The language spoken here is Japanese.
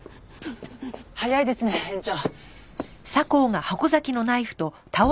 早いですね園長。